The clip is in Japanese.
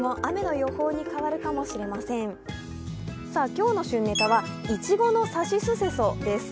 今日の旬ネタは、いちごの「さしすせそ」です。